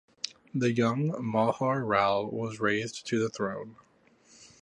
The young Malhar Rao was raised to the throne.